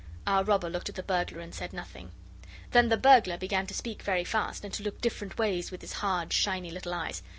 Our robber looked at the burglar and said nothing. Then the burglar began to speak very fast, and to look different ways with his hard, shiny little eyes.